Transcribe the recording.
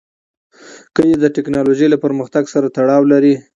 کلي د تکنالوژۍ له پرمختګ سره تړاو لري.